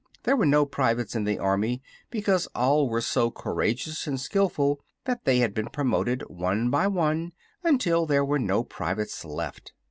There were no privates in the army because all were so courageous and skillful that they had been promoted one by one until there were no privates left.